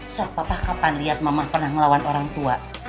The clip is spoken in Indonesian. soh bapak kapan liat mamah pernah ngelawan orang tua